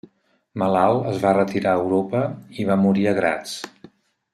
Malalt es va retirar a Europa i va morir a Graz.